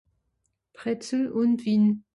Bretzel ùn Win.